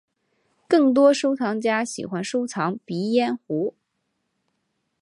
更多收藏家喜欢收藏鼻烟壶。